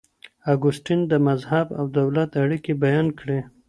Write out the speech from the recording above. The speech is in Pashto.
اګوستين د مذهب او دولت اړيکي بيان کړې.